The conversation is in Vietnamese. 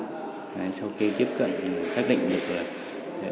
sau khi tiếp cận thì xác định được rồi